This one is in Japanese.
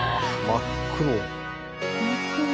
真っ黒だ。